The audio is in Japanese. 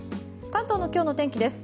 関東の今日のお天気です。